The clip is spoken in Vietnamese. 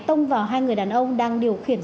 tông vào hai người đàn ông đang điều khiển